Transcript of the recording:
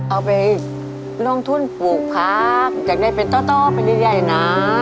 เอาไปลงทุนปลูกพักอยากได้เป็นต้อเป็นเรื่องใหญ่นะ